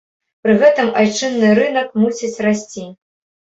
Пры гэтым айчынны рынак мусіць расці.